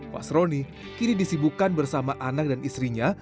wasroni kini disibukan bersama anak dan istrinya